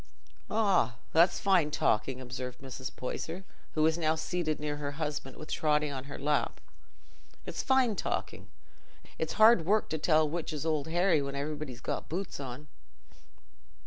'" "Ah, it's fine talking," observed Mrs. Poyser, who was now seated near her husband, with Totty on her lap—"it's fine talking. It's hard work to tell which is Old Harry when everybody's got boots on."